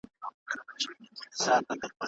ديني عالمان د استقامت ښوونه کوي.